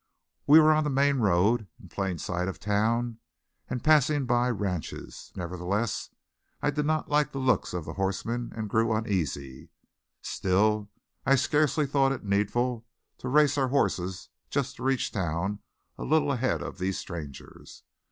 We were on the main road, in plain sight of town and passing by ranches; nevertheless, I did not like the looks of the horsemen and grew uneasy. Still, I scarcely thought it needful to race our horses just to reach town a little ahead of these strangers.